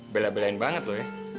bela belain banget ya